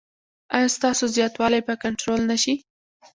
ایا ستاسو زیاتوالی به کنټرول نه شي؟